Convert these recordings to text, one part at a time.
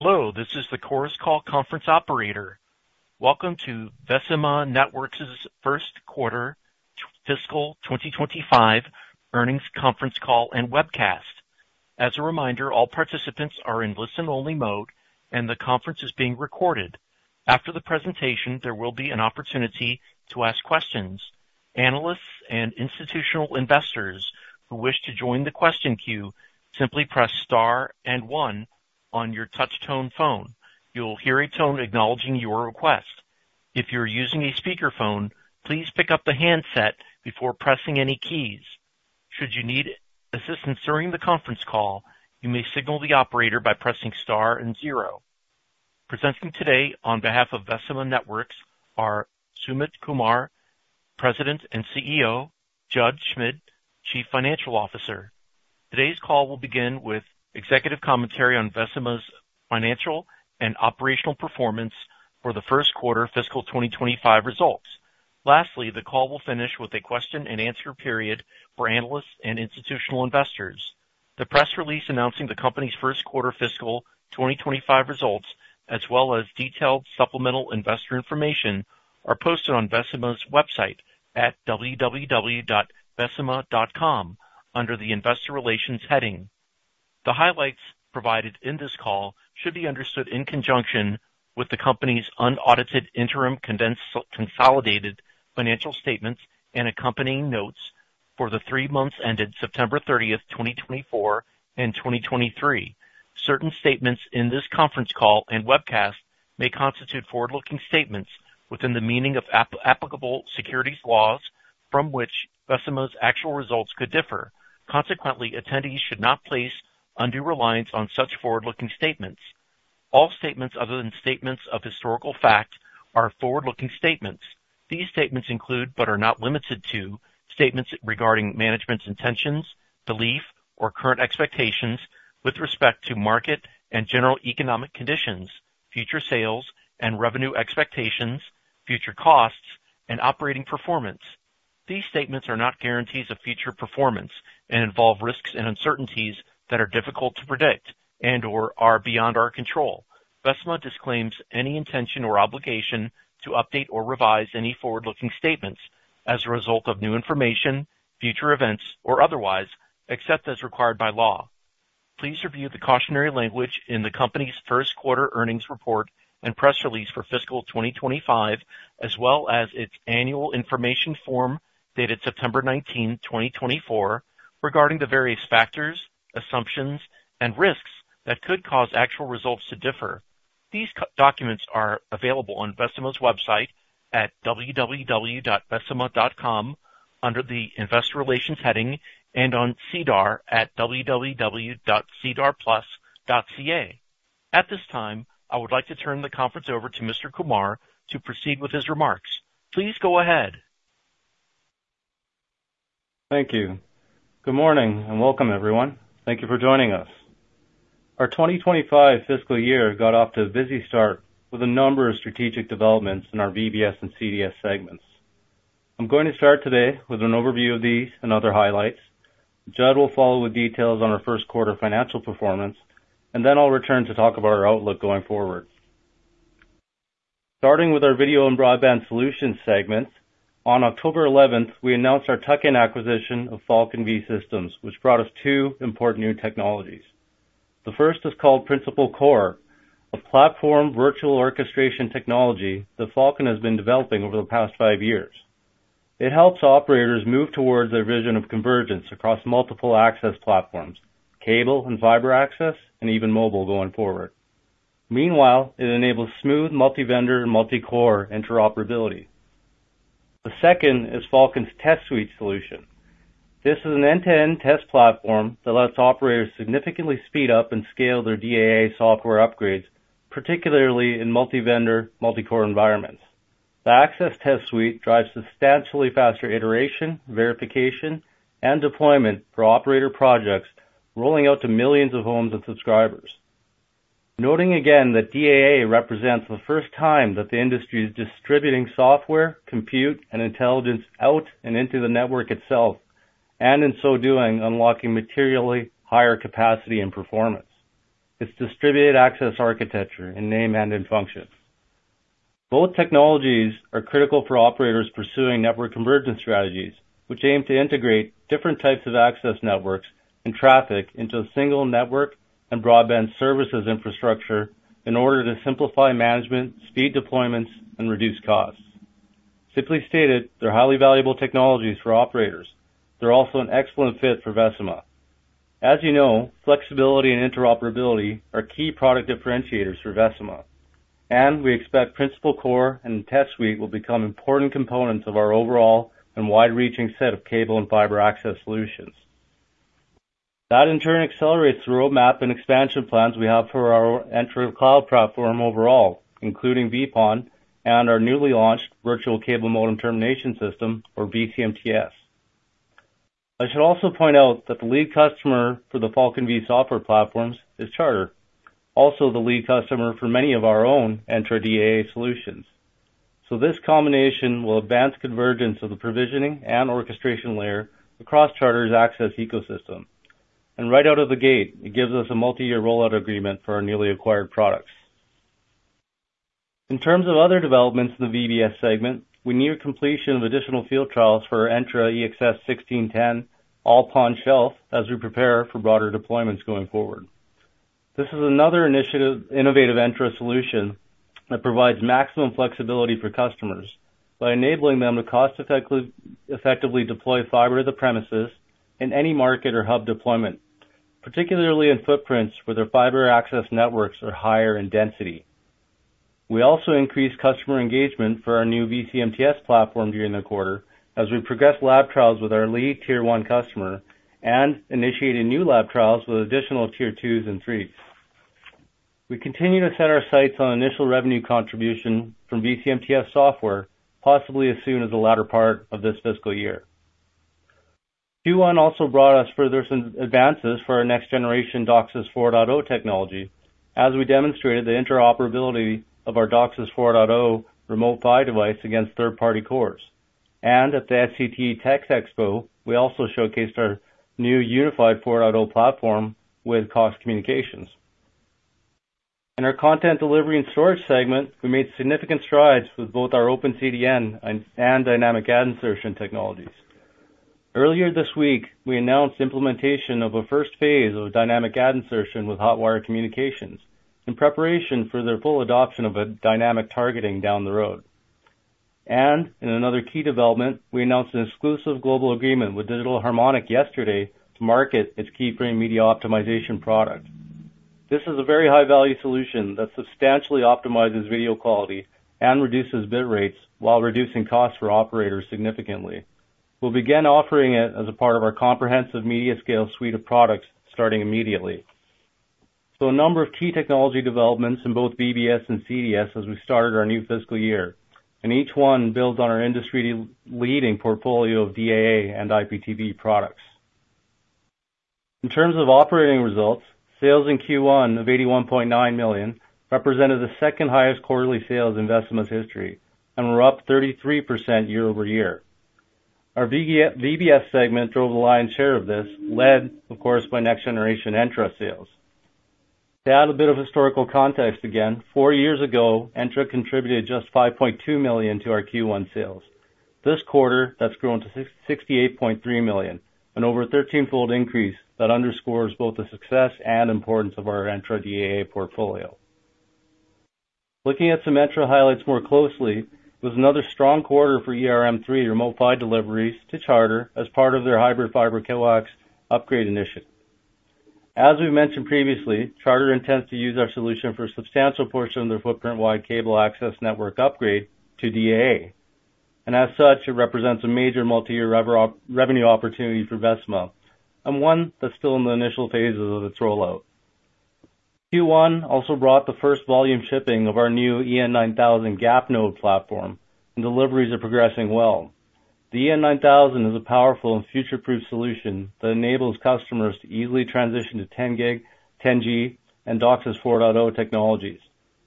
Hello, this is the Chorus Call Conference Operator. Welcome to Vecima Networks' first quarter fiscal 2025 earnings conference call and webcast. As a reminder, all participants are in listen-only mode, and the conference is being recorded. After the presentation, there will be an opportunity to ask questions. Analysts and institutional investors who wish to join the question queue simply press star and one on your touch-tone phone. You'll hear a tone acknowledging your request. If you're using a speakerphone, please pick up the handset before pressing any keys. Should you need assistance during the conference call, you may signal the operator by pressing star and zero. Presenting today on behalf of Vecima Networks are Sumit Kumar, President and CEO. Judd Schmid, Chief Financial Officer. Today's call will begin with executive commentary on Vecima's financial and operational performance for the first quarter fiscal 2025 results. Lastly, the call will finish with a question-and-answer period for analysts and institutional investors. The press release announcing the company's first quarter fiscal 2025 results, as well as detailed supplemental investor information, is posted on Vecima's website at www.vecima.com under the Investor Relations heading. The highlights provided in this call should be understood in conjunction with the company's unaudited interim consolidated financial statements and accompanying notes for the three months ended September 30th, 2024, and 2023. Certain statements in this conference call and webcast may constitute forward-looking statements within the meaning of applicable securities laws from which Vecima's actual results could differ. Consequently, attendees should not place undue reliance on such forward-looking statements. All statements other than statements of historical fact are forward-looking statements. These statements include, but are not limited to, statements regarding management's intentions, beliefs, or current expectations with respect to market and general economic conditions, future sales and revenue expectations, future costs, and operating performance. These statements are not guarantees of future performance and involve risks and uncertainties that are difficult to predict and/or are beyond our control. Vecima disclaims any intention or obligation to update or revise any forward-looking statements as a result of new information, future events, or otherwise, except as required by law. Please review the cautionary language in the company's first quarter earnings report and press release for fiscal 2025, as well as its annual information form dated September 19, 2024, regarding the various factors, assumptions, and risks that could cause actual results to differ. These documents are available on Vecima's website at www.vecima.com under the investor relations heading and on SEDAR at www.sedarplus.ca. At this time, I would like to turn the conference over to Mr. Kumar to proceed with his remarks. Please go ahead. Thank you. Good morning and welcome, everyone. Thank you for joining us. Our 2025 fiscal year got off to a busy start with a number of strategic developments in our VBS and CDS segments. I'm going to start today with an overview of these and other highlights. Judd will follow with details on our first quarter financial performance, and then I'll return to talk about our outlook going forward. Starting with our Video and Broadband Solutions segments, on October 11th, we announced our tuck-in acquisition of Falcon V Systems, which brought us two important new technologies. The first is called Principal Core, a platform virtual orchestration technology that Falcon has been developing over the past five years. It helps operators move towards their vision of convergence across multiple access platforms: cable and fiber access, and even mobile going forward. Meanwhile, it enables smooth multi-vendor and multi-core interoperability. The second is Falcon's Test Suite solution. This is an end-to-end test platform that lets operators significantly speed up and scale their DAA software upgrades, particularly in multi-vendor, multi-core environments. The Access Test Suite drives substantially faster iteration, verification, and deployment for operator projects rolling out to millions of homes and subscribers. Noting again that DAA represents the first time that the industry is distributing software, compute, and intelligence out and into the network itself, and in so doing, unlocking materially higher capacity and performance. It's distributed access architecture in name and in function. Both technologies are critical for operators pursuing network convergence strategies, which aim to integrate different types of access networks and traffic into a single network and broadband services infrastructure in order to simplify management, speed deployments, and reduce costs. Simply stated, they're highly valuable technologies for operators. They're also an excellent fit for Vecima. As you know, flexibility and interoperability are key product differentiators for Vecima, and we expect Principal Core and Test Suite will become important components of our overall and wide-reaching set of cable and fiber access solutions. That in turn accelerates the roadmap and expansion plans we have for our Entra Cloud platform overall, including vPON and our newly launched Virtual Cable Modem Termination System, or vCMTS. I should also point out that the lead customer for the Falcon V software platforms is Charter, also the lead customer for many of our own Entra DAA solutions, so this combination will advance convergence of the provisioning and orchestration layer across Charter's access ecosystem, and right out of the gate, it gives us a multi-year rollout agreement for our newly acquired products. In terms of other developments in the VBS segment, we need completion of additional field trials for our Entra EXS1610 All-PON Shelf as we prepare for broader deployments going forward. This is another innovative Entra solution that provides maximum flexibility for customers by enabling them to cost-effectively deploy fiber to the premises in any market or hub deployment, particularly in footprints where their fiber access networks are higher in density. We also increase customer engagement for our new vCMTS platform during the quarter as we progress lab trials with our lead Tier 1 customer and initiate new lab trials with additional Tier 2s and 3s. We continue to set our sights on initial revenue contribution from vCMTS software, possibly as soon as the latter part of this fiscal year. Q1 also brought us further advances for our next-generation DOCSIS 4.0 technology as we demonstrated the interoperability of our DOCSIS 4.0 Remote PHY device against third-party cores. At the SCTE TechExpo, we also showcased our new unified 4.0 platform with Cox Communications. In our Content Delivery and Storage segment, we made significant strides with both our OpenCDN and dynamic ad insertion technologies. Earlier this week, we announced implementation of a first phase of dynamic ad insertion with Hotwire Communications in preparation for their full adoption of dynamic targeting down the road. In another key development, we announced an exclusive global agreement with Digital Harmonic yesterday to market its KeyFrame Media Optimization product. This is a very high-value solution that substantially optimizes video quality and reduces bit rates while reducing costs for operators significantly. We'll begin offering it as a part of our comprehensive MediaScale suite of products starting immediately. So a number of key technology developments in both VBS and CDS as we started our new fiscal year, and each one builds on our industry-leading portfolio of DAA and IPTV products. In terms of operating results, sales in Q1 of 81.9 million represented the second highest quarterly sales in Vecima's history and were up 33% year-over-year. Our VBS segment drove the lion's share of this, led, of course, by next-generation Entra sales. To add a bit of historical context again, four years ago, Entra contributed just 5.2 million to our Q1 sales. This quarter, that's grown to 68.3 million, an over 13-fold increase that underscores both the success and importance of our Entra DAA portfolio. Looking at some Entra highlights more closely, it was another strong quarter for ERM3 Remote PHY deliveries to Charter as part of their Hybrid Fiber Coax upgrade initiative. As we've mentioned previously, Charter intends to use our solution for a substantial portion of their footprint-wide cable access network upgrade to DAA, and as such, it represents a major multi-year revenue opportunity for Vecima and one that's still in the initial phases of its roll-out. Q1 also brought the first volume shipping of our new EN9000 GAP node platform, and deliveries are progressing well. The EN9000 is a powerful and future-proof solution that enables customers to easily transition to 10 gig, 10G, and DOCSIS 4.0 technologies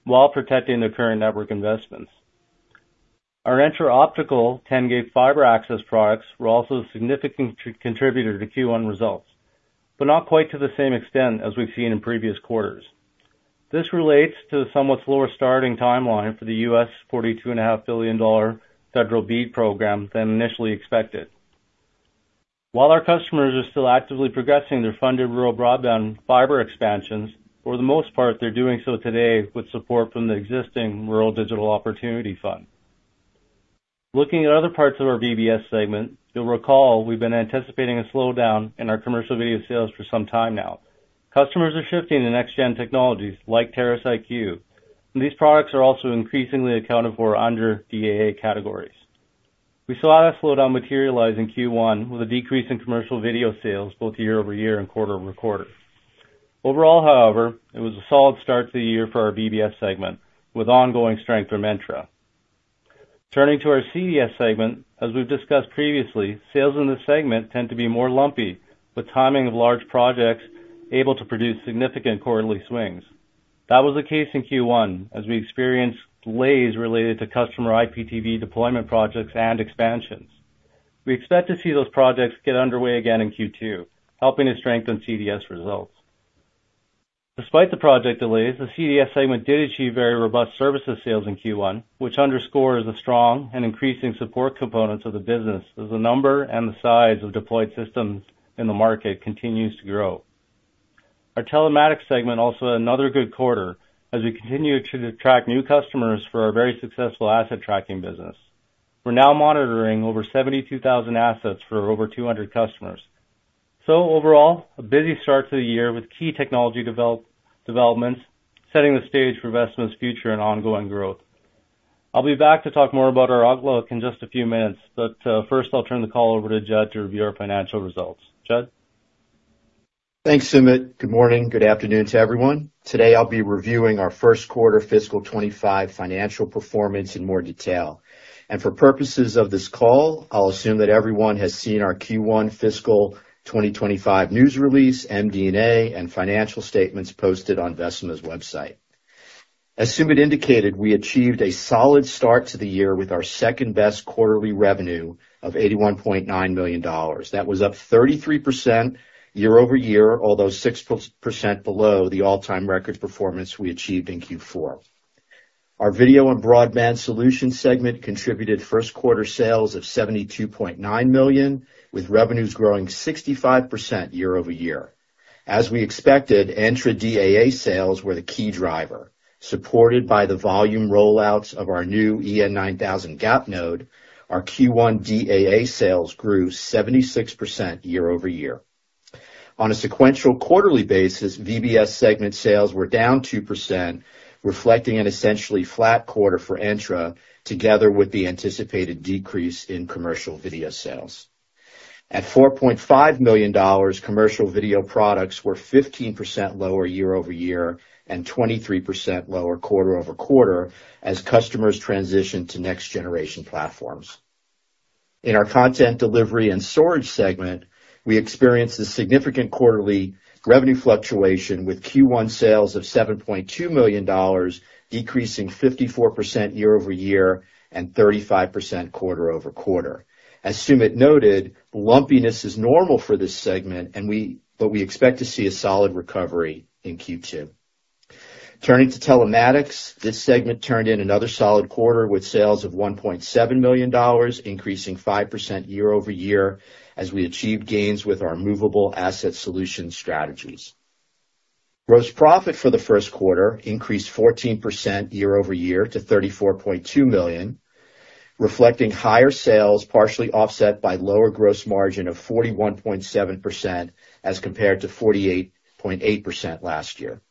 while protecting their current network investments. Our Entra Optical 10 gig fiber access products were also a significant contributor to Q1 results, but not quite to the same extent as we've seen in previous quarters. This relates to a somewhat slower starting timeline for the $42.5 billion federal BEAD Program than initially expected. While our customers are still actively progressing their funded rural broadband fiber expansions, for the most part, they're doing so today with support from the existing Rural Digital Opportunity Fund. Looking at other parts of our VBS segment, you'll recall we've been anticipating a slowdown in our Commercial Video sales for some time now. Customers are shifting to next-gen technologies like Terrace IQ. These products are also increasingly accounted for under DAA categories. We saw that slowdown materialize in Q1 with a decrease in Commercial Video sales both year-over-year and quarter-over-quarter. Overall, however, it was a solid start to the year for our VBS segment with ongoing strength from Entra. Turning to our CDS segment, as we've discussed previously, sales in this segment tend to be more lumpy, with timing of large projects able to produce significant quarterly swings. That was the case in Q1 as we experienced delays related to customer IPTV deployment projects and expansions. We expect to see those projects get underway again in Q2, helping to strengthen CDS results. Despite the project delays, the CDS segment did achieve very robust services sales in Q1, which underscores the strong and increasing support components of the business as the number and the size of deployed systems in the market continues to grow. Our Telematics segment also had another good quarter as we continue to attract new customers for our very successful asset tracking business. We're now monitoring over 72,000 assets for over 200 customers. So overall, a busy start to the year with key technology developments setting the stage for Vecima's future and ongoing growth. I'll be back to talk more about our outlook in just a few minutes, but first I'll turn the call over to Judd to review our financial results. Judd? Thanks, Sumit. Good morning, good afternoon to everyone. Today I'll be reviewing our first quarter fiscal 2025 financial performance in more detail. For purposes of this call, I'll assume that everyone has seen our Q1 fiscal 2025 news release, MD&A, and financial statements posted on Vecima's website. As Sumit indicated, we achieved a solid start to the year with our second-best quarterly revenue of $81.9 million. That was up 33% year-over-year, although 6% below the all-time record performance we achieved in Q4. Our video and broadband solution segment contributed first quarter sales of $72.9 million, with revenues growing 65% year-over-year. As we expected, Entra DAA sales were the key driver. Supported by the volume rollouts of our new EN9000 GAP node, our Q1 DAA sales grew 76% year-over-year. On a sequential quarterly basis, VBS segment sales were down 2%, reflecting an essentially flat quarter for Entra, together with the anticipated decrease in Commercial Video sales. At $4.5 million, Commercial Video products were 15% lower year-over-year and 23% lower quarter-over-quarter as customers transitioned to next-generation platforms. In our content delivery and storage segment, we experienced a significant quarterly revenue fluctuation with Q1 sales of $7.2 million, decreasing 54% year-over-year and 35% quarter-over-quarter. As Sumit noted, lumpiness is normal for this segment, but we expect to see a solid recovery in Q2. Turning to Telematics, this segment turned in another solid quarter with sales of $1.7 million, increasing 5% year-over-year as we achieved gains with our movable asset solution strategies. Gross profit for the first quarter increased 14% year-over-year to $34.2 million, reflecting higher sales partially offset by lower gross margin of 41.7% as compared to 48.8% last year.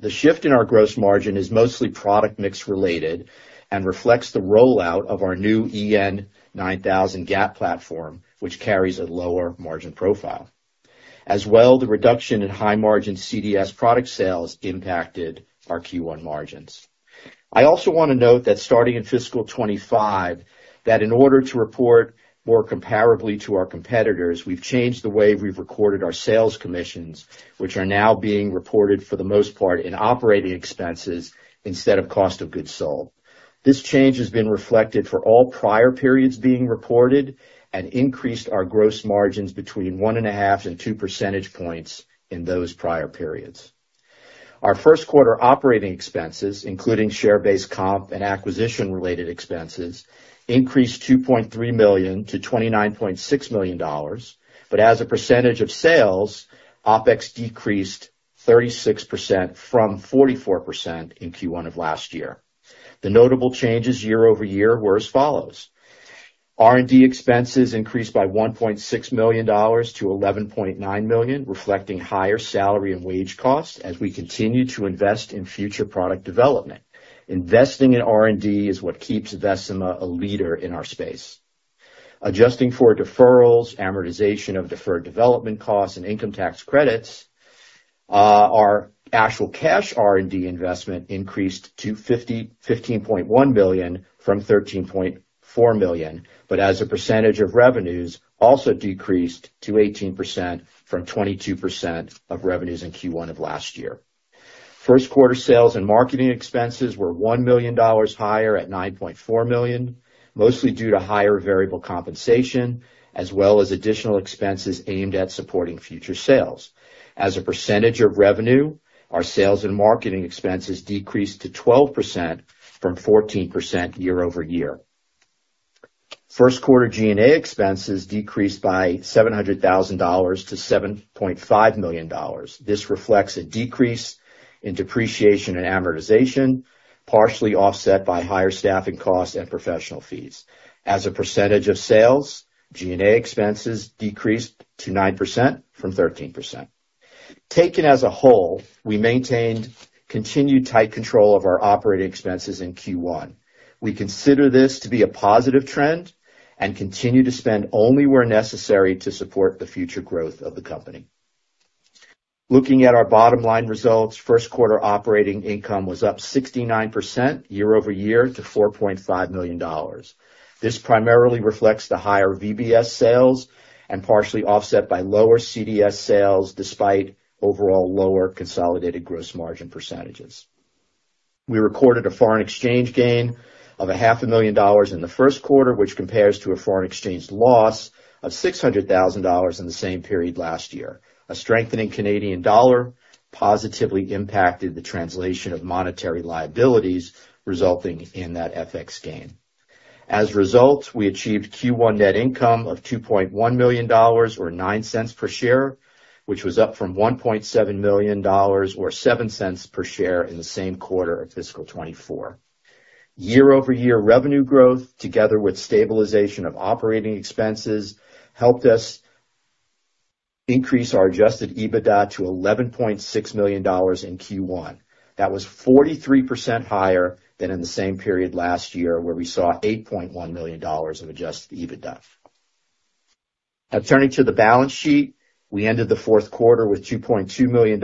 The shift in our gross margin is mostly product mix related and reflects the rollout of our new Entra EN9000 GAP platform, which carries a lower margin profile. As well, the reduction in high-margin CDS product sales impacted our Q1 margins. I also want to note that starting in fiscal 2025, that in order to report more comparably to our competitors, we've changed the way we've recorded our sales commissions, which are now being reported for the most part in operating expenses instead of cost of goods sold. This change has been reflected for all prior periods being reported and increased our gross margins between one and a half and two percentage points in those prior periods. Our first quarter operating expenses, including share-based comp and acquisition-related expenses, increased $2.3 million to $29.6 million, but as a percentage of sales, OpEx decreased 36% from 44% in Q1 of last year. The notable changes year-over-year were as follows. R&D expenses increased by $1.6 million-$11.9 million, reflecting higher salary and wage costs as we continue to invest in future product development. Investing in R&D is what keeps Vecima a leader in our space. Adjusting for deferrals, amortization of deferred development costs, and income tax credits, our actual cash R&D investment increased to $15.1 million from $13.4 million, but as a percentage of revenues, also decreased to 18% from 22% of revenues in Q1 of last year. First quarter sales and marketing expenses were $1 million higher at $9.4 million, mostly due to higher variable compensation, as well as additional expenses aimed at supporting future sales. As a percentage of revenue, our sales and marketing expenses decreased to 12% from 14% year-over-year. First quarter G&A expenses decreased by $700,000 to $7.5 million. This reflects a decrease in depreciation and amortization, partially offset by higher staffing costs and professional fees. As a percentage of sales, G&A expenses decreased to 9% from 13%. Taken as a whole, we maintained continued tight control of our operating expenses in Q1. We consider this to be a positive trend and continue to spend only where necessary to support the future growth of the company. Looking at our bottom-line results, first quarter operating income was up 69% year-over-year to $4.5 million. This primarily reflects the higher VBS sales and partially offset by lower CDS sales despite overall lower consolidated gross margin percentages. We recorded a foreign exchange gain of $500,000 in the first quarter, which compares to a foreign exchange loss of $600,000 in the same period last year. A strengthening Canadian dollar positively impacted the translation of monetary liabilities, resulting in that FX gain. As a result, we achieved Q1 net income of $2.1 million, or $0.09 per share, which was up from $1.7 million, or $0.07 per share in the same quarter of fiscal 2024. Year-over-year revenue growth, together with stabilization of operating expenses, helped us increase our adjusted EBITDA to $11.6 million in Q1. That was 43% higher than in the same period last year where we saw $8.1 million of adjusted EBITDA. Now, turning to the balance sheet, we ended the fourth quarter with $2.2 million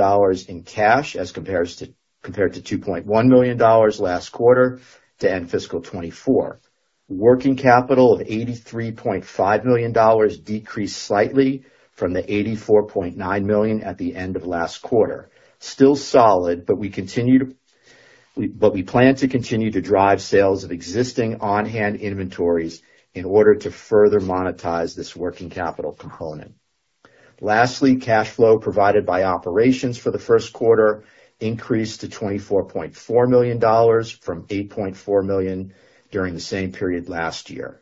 in cash as compared to $2.1 million last quarter to end fiscal 2024. Working capital of $83.5 million decreased slightly from the $84.9 million at the end of last quarter. Still solid, but we plan to continue to drive sales of existing on-hand inventories in order to further monetize this working capital component. Lastly, cash flow provided by operations for the first quarter increased to $24.4 million from $8.4 million during the same period last year.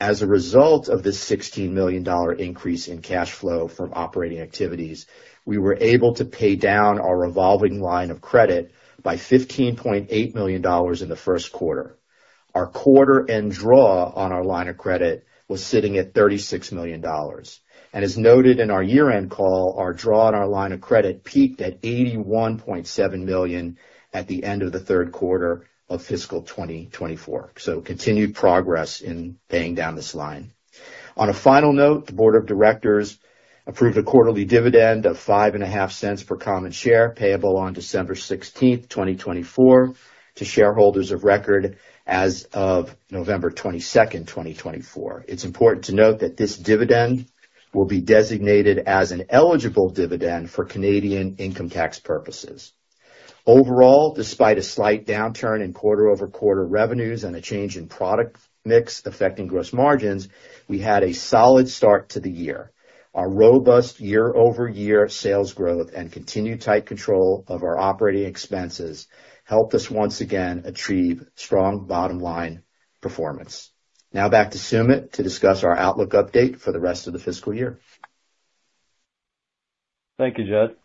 As a result of this $16 million increase in cash flow from operating activities, we were able to pay down our revolving line of credit by $15.8 million in the first quarter. Our quarter-end draw on our line of credit was sitting at $36 million. And as noted in our year-end call, our draw on our line of credit peaked at $81.7 million at the end of the third quarter of fiscal 2024. So continued progress in paying down this line. On a final note, the Board of Directors approved a quarterly dividend of $5.50 per common share payable on December 16th, 2024, to shareholders of record as of November 22nd, 2024. It's important to note that this dividend will be designated as an eligible dividend for Canadian income tax purposes. Overall, despite a slight downturn in quarter-over-quarter revenues and a change in product mix affecting gross margins, we had a solid start to the year. Our robust year-over-year sales growth and continued tight control of our operating expenses helped us once again achieve strong bottom-line performance. Now back to Sumit to discuss our outlook update for the rest of the fiscal year. Thank you, Judd.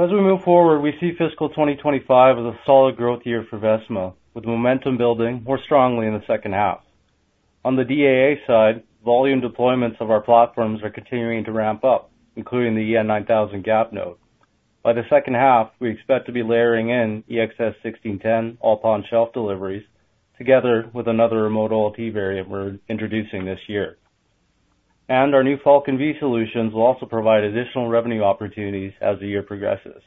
As we move forward, we see fiscal 2025 as a solid growth year for Vecima, with momentum building more strongly in the second half. On the DAA side, volume deployments of our platforms are continuing to ramp up, including the EN9000 GAP node. By the second half, we expect to be layering in EXS1610 All-PON Shelf deliveries, together with another Remote OLT variant we're introducing this year. And our new Falcon V solutions will also provide additional revenue opportunities as the year progresses.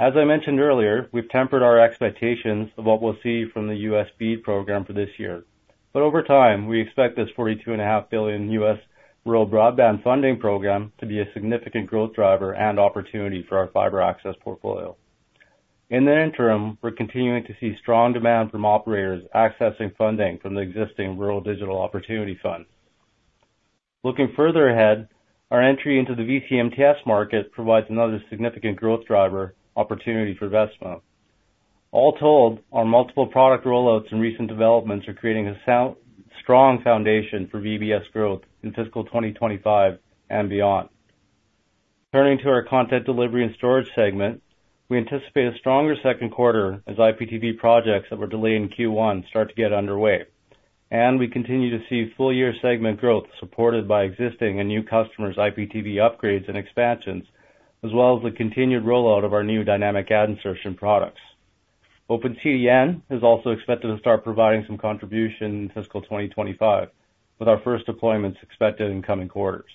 As I mentioned earlier, we've tempered our expectations of what we'll see from the U.S. BEAD Program for this year. But over time, we expect this $42.5 billion U.S. rural broadband funding program to be a significant growth driver and opportunity for our fiber access portfolio. In the interim, we're continuing to see strong demand from operators accessing funding from the existing Rural Digital Opportunity Fund. Looking further ahead, our entry into the vCMTS market provides another significant growth driver opportunity for Vecima. All told, our multiple product rollouts and recent developments are creating a strong foundation for VBS growth in fiscal 2025 and beyond. Turning to our content delivery and storage segment, we anticipate a stronger second quarter as IPTV projects that were delayed in Q1 start to get underway, and we continue to see full-year segment growth supported by existing and new customers' IPTV upgrades and expansions, as well as the continued rollout of our new dynamic ad insertion products. OpenCDN is also expected to start providing some contribution in fiscal 2025, with our first deployments expected in coming quarters.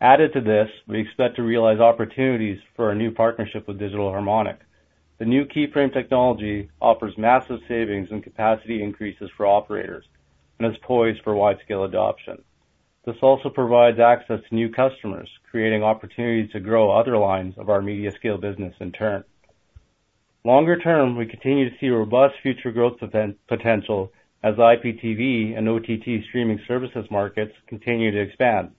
Added to this, we expect to realize opportunities for our new partnership with Digital Harmonic. The new KeyFrame technology offers massive savings and capacity increases for operators and is poised for wide-scale adoption. This also provides access to new customers, creating opportunities to grow other lines of our MediaScale business in turn. Longer term, we continue to see robust future growth potential as IPTV and OTT streaming services markets continue to expand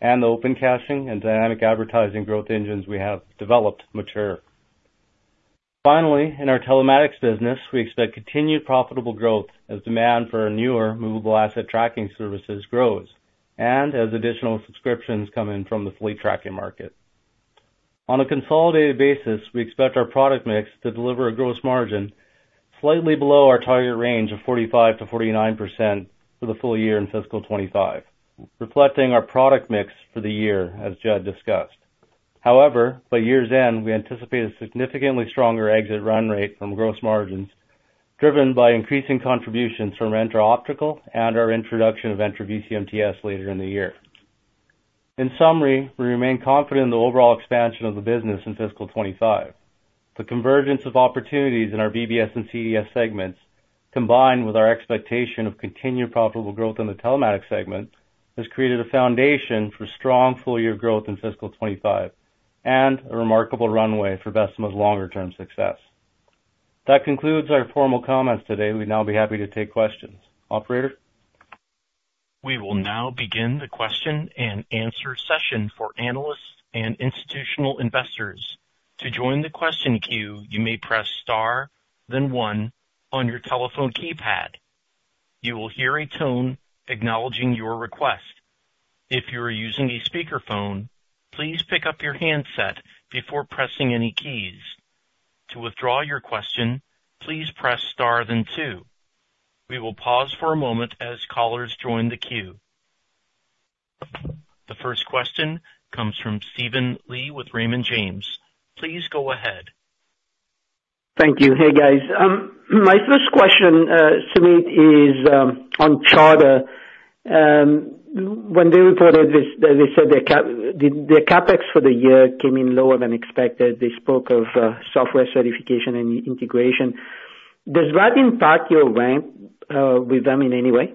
and the open caching and dynamic advertising growth engines we have developed mature. Finally, in our Telematics business, we expect continued profitable growth as demand for our newer movable asset tracking services grows and as additional subscriptions come in from the fleet tracking market. On a consolidated basis, we expect our product mix to deliver a gross margin slightly below our target range of 45%-49% for the full year in fiscal 2025, reflecting our product mix for the year, as Judd discussed. However, by year's end, we anticipate a significantly stronger exit run rate from gross margins, driven by increasing contributions from Entra Optical and our introduction of Entra vCMTS later in the year. In summary, we remain confident in the overall expansion of the business in fiscal 2025. The convergence of opportunities in our VBS and CDS segments, combined with our expectation of continued profitable growth in the Telematics segment, has created a foundation for strong full-year growth in fiscal 2025 and a remarkable runway for Vecima's longer-term success. That concludes our formal comments today. We'd now be happy to take questions. Operator? We will now begin the question-and-answer session for analysts and institutional investors. To join the question queue, you may press star, then one, on your telephone keypad. You will hear a tone acknowledging your request. If you are using a speakerphone, please pick up your handset before pressing any keys. To withdraw your question, please press star, then two. We will pause for a moment as callers join the queue. The first question comes from Steven Li with Raymond James. Please go ahead. Thank you. Hey, guys. My first question to me is on Charter. When they reported, they said the CapEx for the year came in lower than expected. They spoke of software certification and integration. Does that impact your rank with them in any way?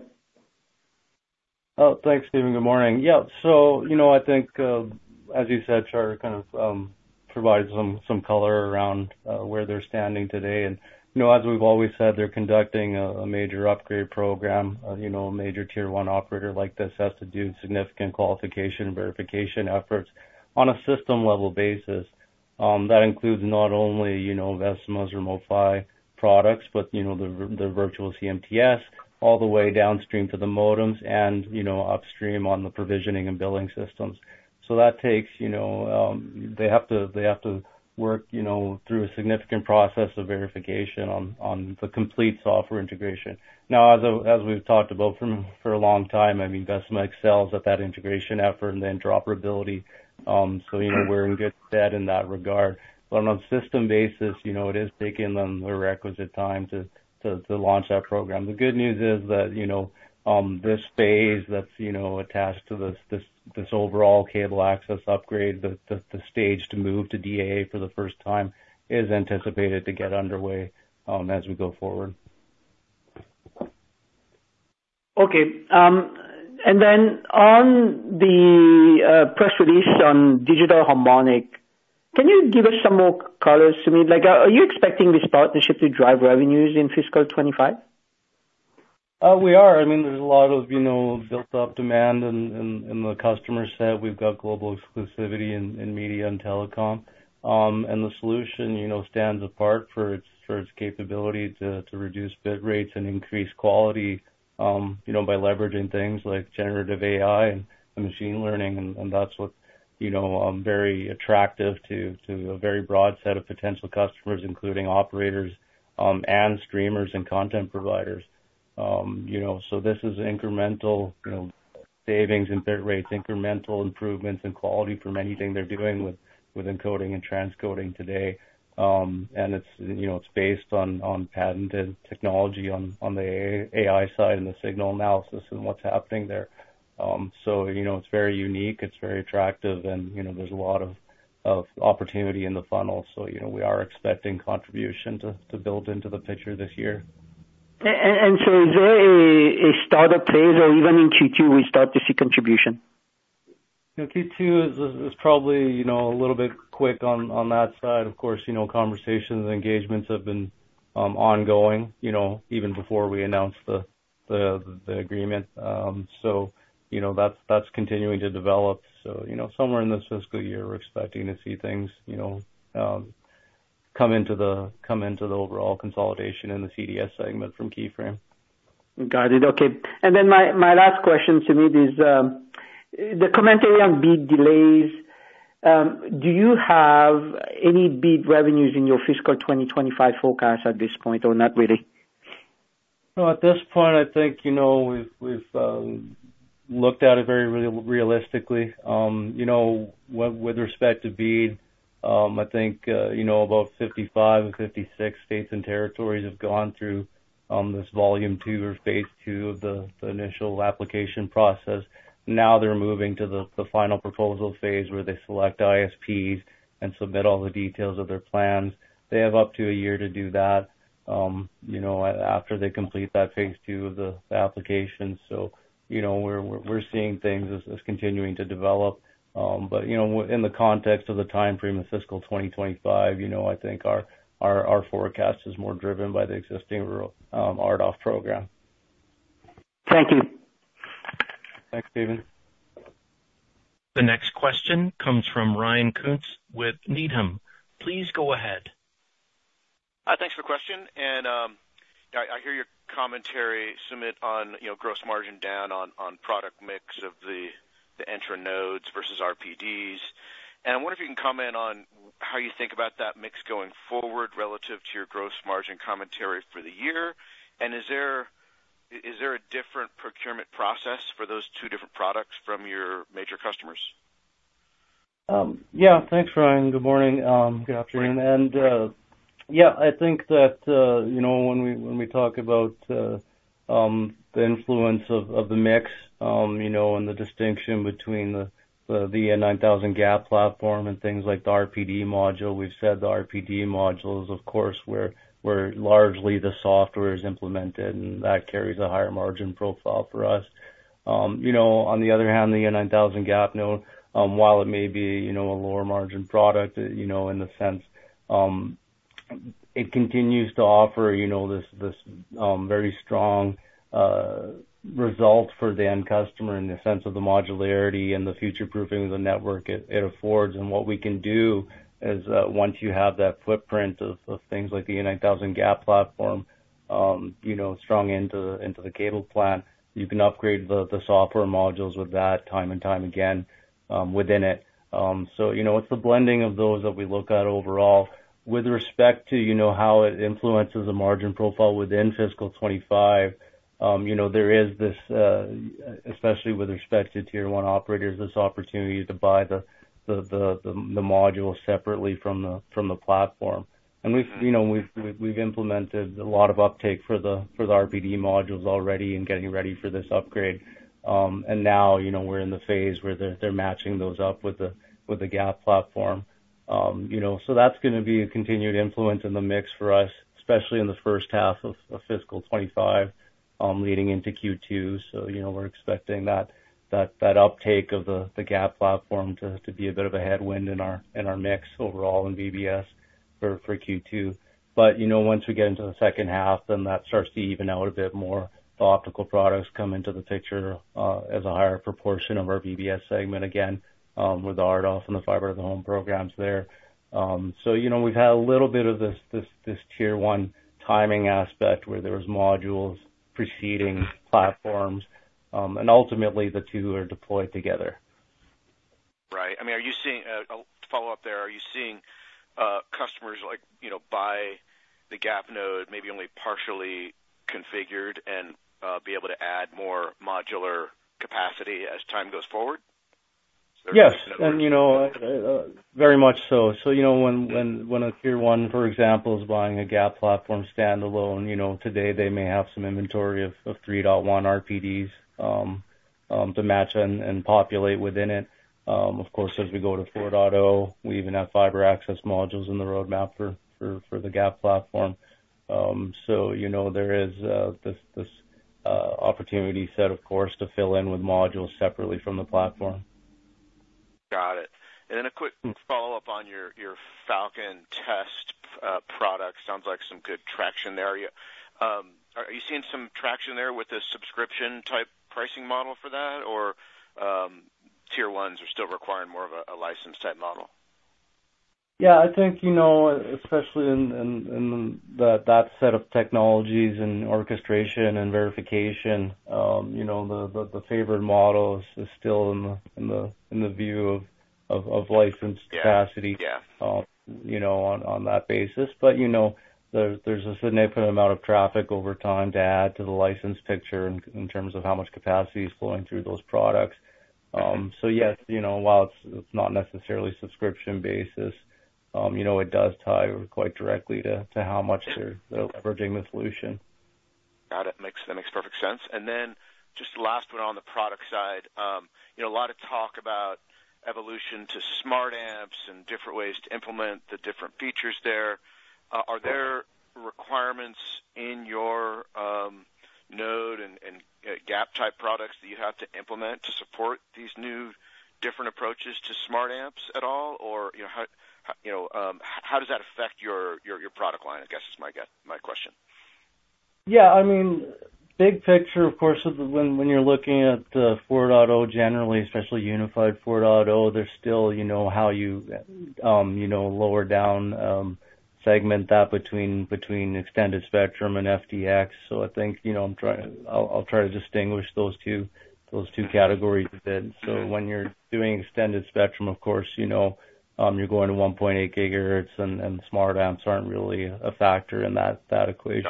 Oh, thanks, Steven. Good morning. Yeah. So I think, as you said, Charter kind of provides some color around where they're standing today. And as we've always said, they're conducting a major upgrade program. A major Tier 1 operator like this has to do significant qualification and verification efforts on a system-level basis. That includes not only Vecima's Remote PHY products, but the virtual CMTS, all the way downstream to the modems and upstream on the provisioning and billing systems. So that takes. They have to work through a significant process of verification on the complete software integration. Now, as we've talked about for a long time, I mean, Vecima excels at that integration effort and the interoperability. So we're in good stead in that regard. But on a system basis, it is taking them the requisite time to launch that program. The good news is that this phase that's attached to this overall cable access upgrade, the stage to move to DAA for the first time, is anticipated to get underway as we go forward. Okay. And then on the press release on Digital Harmonic, can you give us some more colors to me? Are you expecting this partnership to drive revenues in fiscal 2025? We are. I mean, there's a lot of built-up demand in the customer set. We've got global exclusivity in media and telecom. And the solution stands apart for its capability to reduce bit rates and increase quality by leveraging things like generative AI and machine learning. And that's what's very attractive to a very broad set of potential customers, including operators and streamers and content providers. So this is incremental savings in bit rates, incremental improvements in quality from anything they're doing with encoding and transcoding today. And it's based on patented technology on the AI side and the signal analysis and what's happening there. So it's very unique. It's very attractive. And there's a lot of opportunity in the funnel. So we are expecting contribution to build into the picture this year. Is there a start-up phase or even in Q2 we start to see contribution? Q2 is probably a little bit quick on that side. Of course, conversations and engagements have been ongoing even before we announced the agreement. So that's continuing to develop. So somewhere in this fiscal year, we're expecting to see things come into the overall consolidation in the CDS segment from KeyFrame. Got it. Okay. And then my last question Sumit is the commentary on BEAD delays. Do you have any BEAD revenues in your fiscal 2025 forecast at this point or not really? At this point, I think we've looked at it very realistically. With respect to BEAD, I think about 55 and 56 states and territories have gone through this volume 2 or phase II of the initial application process. Now they're moving to the final proposal phase where they select ISPs and submit all the details of their plans. They have up to a year to do that after they complete that phase II of the application. We're seeing things as continuing to develop. In the context of the timeframe of fiscal 2025, I think our forecast is more driven by the existing RDOF program. Thank you. Thanks, Steven. The next question comes from Ryan Koontz with Needham. Please go ahead. Hi, thanks for the question. And I hear your commentary, Sumit, on gross margin down on product mix of the Entra nodes versus RPDs. And I wonder if you can comment on how you think about that mix going forward relative to your gross margin commentary for the year. And is there a different procurement process for those two different products from your major customers? Yeah. Thanks, Ryan. Good morning. Good afternoon. And yeah, I think that when we talk about the influence of the mix and the distinction between the EN9000 GAP platform and things like the RPD module, we've said the RPD module is, of course, where largely the software is implemented, and that carries a higher margin profile for us. On the other hand, the EN9000 GAP node, while it may be a lower margin product in the sense, it continues to offer this very strong result for the end customer in the sense of the modularity and the future-proofing of the network it affords. And what we can do is, once you have that footprint of things like the EN9000 GAP platform strung into the cable plant, you can upgrade the software modules with that, time and time again within it. So it's the blending of those that we look at overall. With respect to how it influences the margin profile within fiscal 2025, there is this, especially with respect to Tier 1 operators, this opportunity to buy the module separately from the platform. And we've implemented a lot of uptake for the RPD modules already in getting ready for this upgrade. And now we're in the phase where they're matching those up with the GAP platform. So that's going to be a continued influence in the mix for us, especially in the first half of fiscal 2025 leading into Q2. So we're expecting that uptake of the GAP platform to be a bit of a headwind in our mix overall in VBS for Q2. But once we get into the second half, then that starts to even out a bit more. The optical products come into the picture as a higher proportion of our VBS segment again with the RDOF and the fiber-to-the-home programs there. So we've had a little bit of this Tier 1 timing aspect where there were modules preceding platforms. And ultimately, the two are deployed together. Right. I mean, are you seeing a follow-up there? Are you seeing customers buy the GAP node, maybe only partially configured, and be able to add more modular capacity as time goes forward? Yes. And very much so. So when a Tier 1, for example, is buying a GAP platform standalone, today they may have some inventory of 3.1 RPDs to match and populate within it. Of course, as we go to 4.0, we even have fiber access modules in the roadmap for the GAP platform. So there is this opportunity set, of course, to fill in with modules separately from the platform. Got it. And then a quick follow-up on your Falcon Test product. Sounds like some good traction there. Are you seeing some traction there with the subscription-type pricing model for that, or Tier 1s are still requiring more of a license-type model? Yeah. I think, especially in that set of technologies and orchestration and verification, the favored model is still in the view of licensed capacity on that basis. But there's a significant amount of traffic over time to add to the license picture in terms of how much capacity is flowing through those products. So yes, while it's not necessarily subscription-based, it does tie quite directly to how much they're leveraging the solution. Got it. That makes perfect sense. And then just the last one on the product side, a lot of talk about evolution to smart amps and different ways to implement the different features there. Are there requirements in your node and GAP-type products that you have to implement to support these new different approaches to smart amps at all? Or how does that affect your product line? I guess is my question. Yeah. I mean, big picture, of course, when you're looking at the portfolio generally, especially unified portfolio, there's still how you layer down segment that between extended spectrum and FDX. So I think I'll try to distinguish those two categories a bit. So when you're doing extended spectrum, of course, you're going to 1.8 gigahertz, and smart amps aren't really a factor in that equation.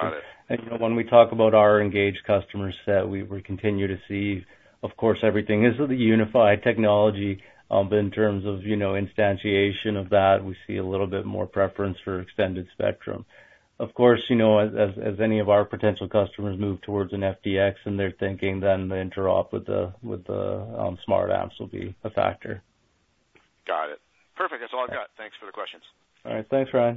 And when we talk about our engaged customer set, we continue to see, of course, everything is the unified technology. But in terms of instantiation of that, we see a little bit more preference for extended spectrum. Of course, as any of our potential customers move towards an FDX and they're thinking, then the interop with the smart amps will be a factor. Got it. Perfect. That's all I've got. Thanks for the questions. All right. Thanks, Ryan.